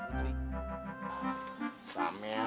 udah setahun sama